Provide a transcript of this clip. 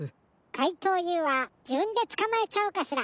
かいとうＵはじぶんでつかまえちゃおうかしら。